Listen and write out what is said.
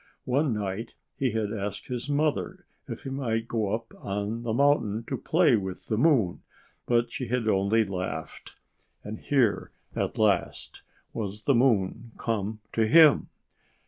One night he had asked his mother if he might go up on the mountain to play with the moon; but she had only laughed. And here, at last, was the moon come to him!